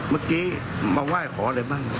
เมื่อกี้มาไหว้ขออะไรบ้าง